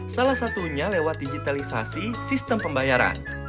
salah satunya lewat digitalisasi sistem pembayaran